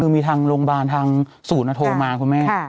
คือมีทางโรงบาลทางสูตรนโทมาคุณแม่